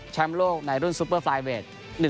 โลกในรุ่นซุปเปอร์ไฟเวท